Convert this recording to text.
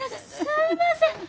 すいません！